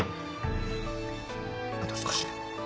あと少し。